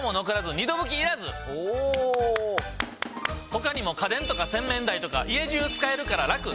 他にも家電とか洗面台とか家じゅう使えるからラク！